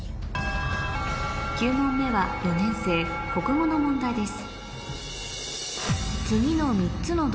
９問目は４年生国語の問題です